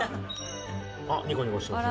あっニコニコしてますよ。